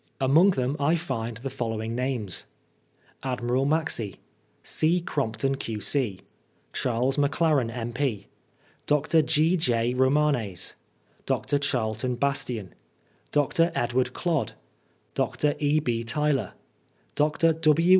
Among them I find the following names :— Admiral Maxse C. Crompton, Q.C. Charles Maclaren, MP. Dr. G. J. Romanes Dr. Charlton Bastian Dr. Edward Clodd Dr. E B. Tjrlor Dr. W.